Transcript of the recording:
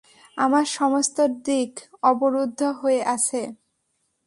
আমার সমস্ত দিক অবরুদ্ধ হয়ে আছে।